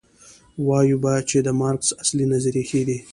وایو به چې د مارکس اصلي نظریې ښې دي.